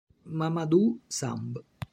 Mamadou Samb